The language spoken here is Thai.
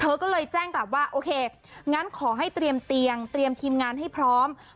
เธอก็เลยแจ้งกลับว่าโอเคงั้นขอให้เตรียมเตียงเตรียมทีมงานให้พร้อม